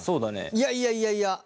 いやいやいやいや。